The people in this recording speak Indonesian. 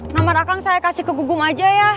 nomor akang saya kasih ke bubung aja ya